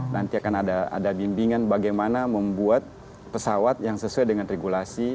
nanti akan ada bimbingan bagaimana membuat pesawat yang sesuai dengan regulasi